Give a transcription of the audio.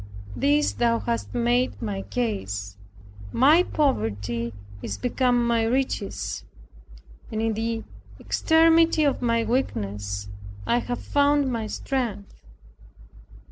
This Thou hast made my case. My poverty is become my riches, and in the extremity of my weakness I have found my strength.